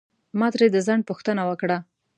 ما ترې د ځنډ پوښتنه وکړه.